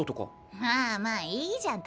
まあまあいいじゃんたまには。